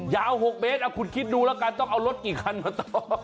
อย่าเอา๖เมตรเอาคุณคิดดูละกันต้องเอารถกี่คันมาต่อ